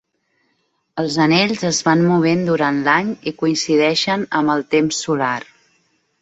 Els anells es van movent durant l'any i coincideixen amb el temps solar.